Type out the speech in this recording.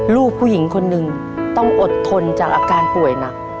ลูกผู้หญิงคนหนึ่งต้องอดทนจากอาการป่วยหนัก